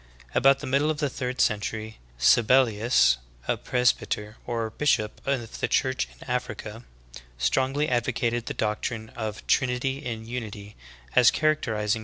*" 15. About the middle of the third century, Sibellius. a presbyter or bishop of the church in Africa, strongly advo cated the doctrine of ''trinity in unity" as characterizing the ^John 1:1, 14.